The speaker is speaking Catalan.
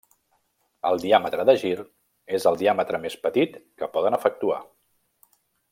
El diàmetre de gir és el diàmetre més petit que poden efectuar.